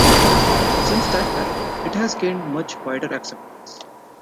Since that time, it has gained much wider acceptance.